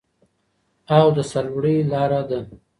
او د سرلوړۍ لاره ده.